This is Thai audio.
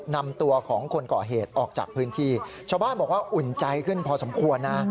นำตัวของคนก่อเหตุออกจากพื้นที่ชาวบ้านบอกว่าอุ่นใจขึ้นพอสมควรนะ